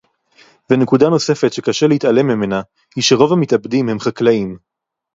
ונקודה נוספת שקשה להתעלם ממנה היא שרוב המתאבדים הם חקלאים